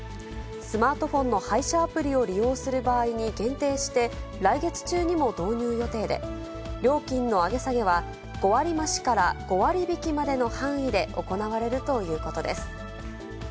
スマートフォンの配車アプリを利用する場合に限定して、来月中にも導入予定で、料金の上げ下げは、５割増しから５割引きまでの範囲で行われるということです。